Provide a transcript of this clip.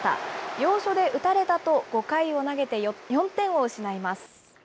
要所で打たれたと、５回を投げて４点を失います。